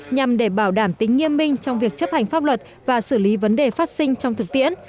nhằm để bảo đảm tính nghiêm minh trong việc chấp hành pháp luật và xử lý vấn đề phát sinh trong thực tiễn